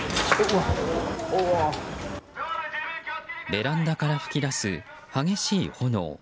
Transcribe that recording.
ベランダから噴き出す激しい炎。